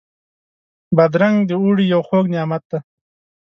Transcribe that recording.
بادرنګ د اوړي یو خوږ نعمت دی.